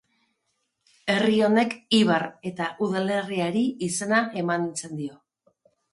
Herri honek ibar eta udalerriari izena eman izan dio.